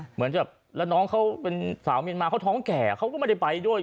เหมือนกับแล้วน้องเขาเป็นสาวเมียนมาเขาท้องแก่เขาก็ไม่ได้ไปด้วย